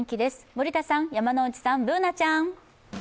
森田さん、山内さん、Ｂｏｏｎａちゃん。